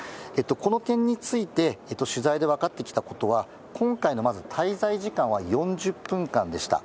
この点について取材で分かってきたことは、今回のまず滞在時間は４０分間でした。